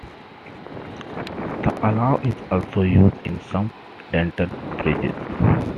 The alloy is also used in some dental bridges.